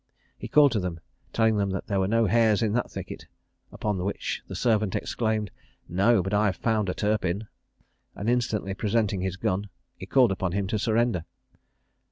He called to them, telling them that there were no hares in that thicket, upon which the servant exclaimed, "No, but I have found a Turpin," and instantly presenting his gun, he called upon him to surrender.